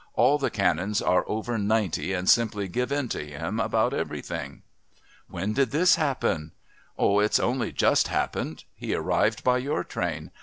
All the Canons are over ninety and simply give in to him about everything." "When did this happen?" "Oh, it's only just happened. He arrived by your train.